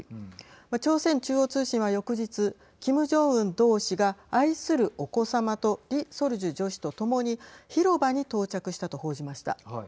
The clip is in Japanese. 朝鮮中央通信は翌日キム・ジョンウン同志が愛するお子様とリ・ソルジュ女史と共に広場に到着したと報じました。